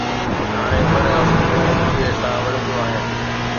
هاڻي ٻه رياستون هڪ ٻئي سان وڙهنديون آهن.